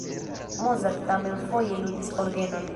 Mozart tamen foje ludis orgenon.